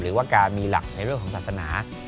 หรือว่าการมีหลักในเรื่องของศาสนา